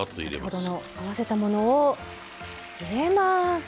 先ほどの合わせたものを入れます。